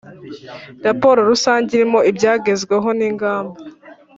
Raporo rusange irimo ibyagezweho n’ ingamba